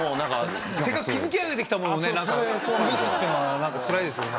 せっかく築き上げてきたものをね崩すっていうのはなんかつらいですよね。